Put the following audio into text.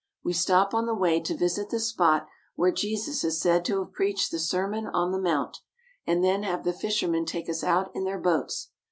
We stop on the way to visit the spot where Jesus is said to have preached the Sermon on the Mount, and then have the fishermen take us out in their boats.